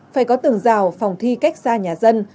phải có tường rào phòng thi cách xa nhà dân